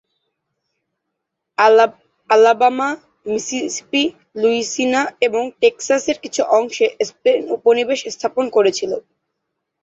Alabama, Mississippi, Louisiana এবং Texas এর কিছু অংশেও স্পেন উপনিবেশ স্থাপন করেছিল।